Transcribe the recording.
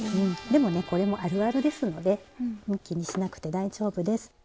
でもねこれもあるあるですので気にしなくて大丈夫です。